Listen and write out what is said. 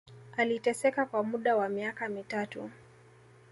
Aliteseka kwa muda wa miaka mitatu